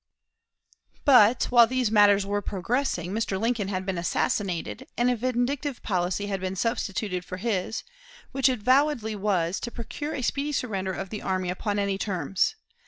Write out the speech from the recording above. But, while these matters were progressing, Mr. Lincoln had been assassinated, and a vindictive policy had been substituted for his, which avowedly was, to procure a speedy surrender of the army upon any terms.